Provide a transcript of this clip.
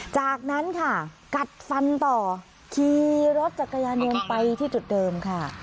จากนั้นค่ะกัดฟันต่อขี่รถจักรยานยนต์ไปที่จุดเดิมค่ะ